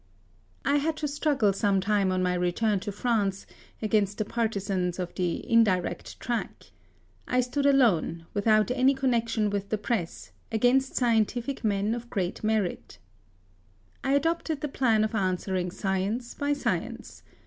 I had to struggle some time on my return to France against the partisans of the indi rect track. I stood alone, without any con nection with the press, against scientific men of great merit THE SUEZ CANAL. 27 I adopted tlie plan of answering science by science.